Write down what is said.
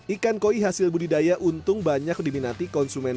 ikan koi hasil budidaya untung banyak diminati konsumen